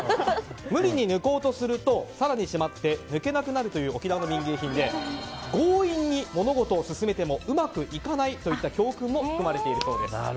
無理にぬこうとすると更に締まって抜けなくなるという沖縄の民芸品で強引に物事を進めてもうまくいかないといった教訓も含まれているそうです。